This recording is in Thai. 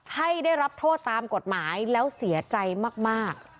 ให้ได้รับโทษตามกฎหมายแล้วเสียใจมาก